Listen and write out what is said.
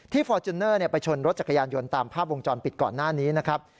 ฟอร์จูเนอร์ไปชนรถจักรยานยนต์ตามภาพวงจรปิดก่อนหน้านี้นะครับ